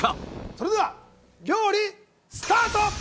それでは料理スタート！